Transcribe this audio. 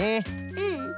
うん。